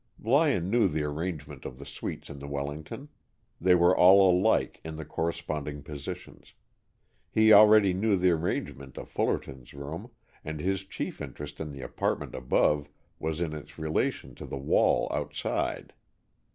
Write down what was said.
Lyon knew the arrangement of the suites in the Wellington. They were all alike, in the corresponding positions. He already knew the arrangement of Fullerton's room, and his chief interest in the apartment above was in its relation to the wall outside.